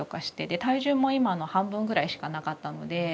で体重も今の半分ぐらいしかなかったので。